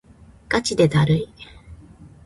がちでだるい